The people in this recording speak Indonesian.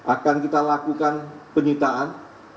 akan kita lakukan penyitaan